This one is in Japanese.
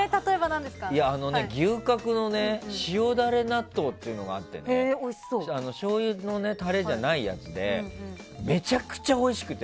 牛角の塩ダレの納豆があってしょうゆのタレじゃないやつでめちゃくちゃおいしくて。